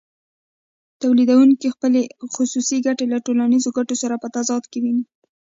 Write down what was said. تولیدونکی خپلې خصوصي ګټې له ټولنیزو ګټو سره په تضاد کې ویني